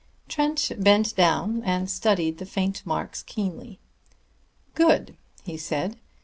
Trent bent down and studied the faint marks keenly. "Good!" he said.